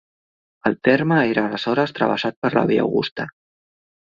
El terme era aleshores travessat per la Via Augusta.